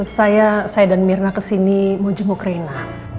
saya dan mirna ke sini mau jemuk rena